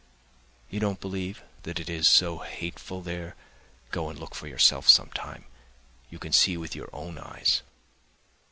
You don't believe that it is so hateful there? Go and look for yourself some time, you can see with your own eyes.